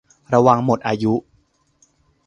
ระวังหมดอายุ